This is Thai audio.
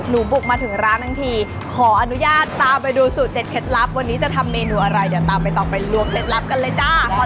บุกมาถึงร้านทั้งทีขออนุญาตตามไปดูสูตรเด็ดเคล็ดลับวันนี้จะทำเมนูอะไรเดี๋ยวตามใบตองไปล้วงเคล็ดลับกันเลยจ้า